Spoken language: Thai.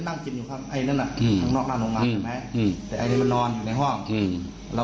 โอ้โหผ่านไปหลายเดือนแล้วนะมาสัมระแค้นกันนะครับ